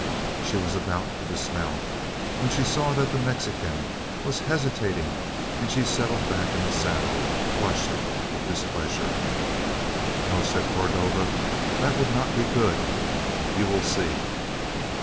She was about to dismount when she saw that the Mexican was hesitating and she settled back in the saddle, flushed with displeasure. "No," said Cordova, "that would not be good. You will see!"